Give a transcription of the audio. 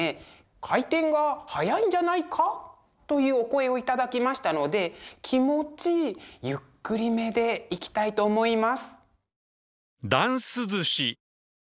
「回転が速いんじゃないか？」というお声を頂きましたので気持ちゆっくりめでいきたいと思います！